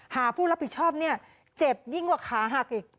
ผู้รับผิดชอบเนี่ยเจ็บยิ่งกว่าขาหักอีก